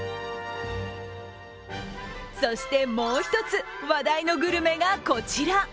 そしてもう１つ、話題のグルメがこちら。